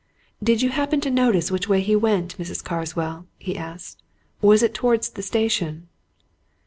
"Did you happen to notice which way he went, Mrs. Carswell?" he asked. "Was it towards the station?"